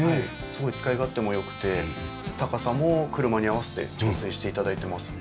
すごい使い勝手も良くて高さも車に合わせて調整して頂いてます。